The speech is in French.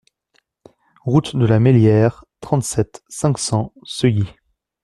Route de la Mesliere, trente-sept, cinq cents Seuilly